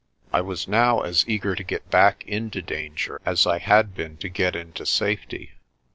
I was now as eager to get back into danger as I had been to get into safety.